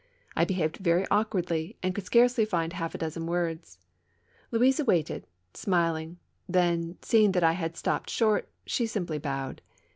I behaved very awkwardly and could scarcely find half a dozen words. Louise awaited, smiling; then, seeing that I had stopped short, she simply bowed.